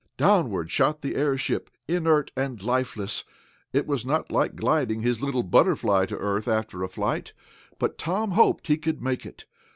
Downward shot the airship, inert and lifeless. It was not like gliding his little BUTTERFLY to earth after a flight, but Tom hoped he could make it.